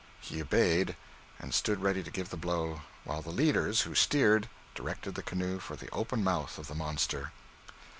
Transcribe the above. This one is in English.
He obeyed, and stood ready to give the blow; while the leader, who steered, directed the canoe for the open mouth of the monster.